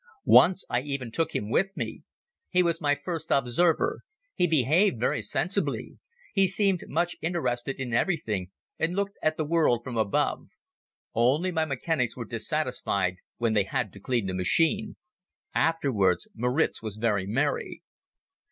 Once I even took him with me. He was my first observer. He behaved very sensibly. He seemed much interested in everything and looked at the world from above. Only my mechanics were dissatisfied when they had to clean the machine. Afterwards Moritz was very merry.